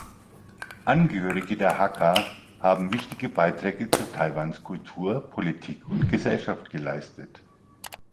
Angehörige der Hakka haben wichtige Beiträge zu Taiwans Kultur, Politik und Gesellschaft geleistet.